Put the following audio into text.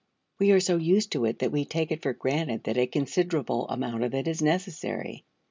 We are so used to it that we take it for granted that a considerable amount of it is necessary.